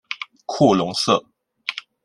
库隆塞。